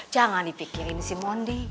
jangan dipikirin si mondi